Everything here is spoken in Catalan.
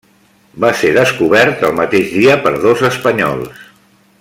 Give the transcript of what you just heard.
Va ser descobert el mateix dia per dos espanyols.